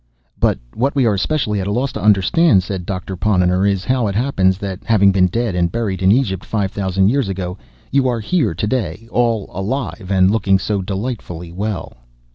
"But what we are especially at a loss to understand," said Doctor Ponnonner, "is how it happens that, having been dead and buried in Egypt five thousand years ago, you are here to day all alive and looking so delightfully well."